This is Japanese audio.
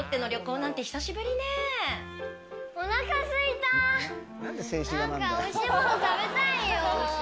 なんかおいしいもの食べたいよ。